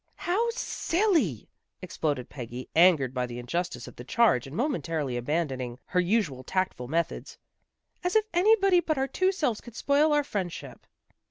" How silly! " exploded Peggy, angered by the injustice of the charge and momentarily abandoning her usual tactful methods. " As if anybody but our two selves could spoil our friendship."